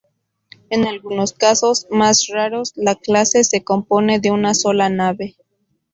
En algunos casos, más raros, la clase se compone de una sola nave.